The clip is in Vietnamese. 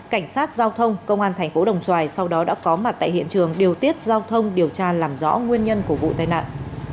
cảnh sát giao thông công an thành phố đồng xoài sau đó đã có mặt tại hiện trường điều tiết giao thông điều tra làm rõ nguyên nhân của vụ tai nạn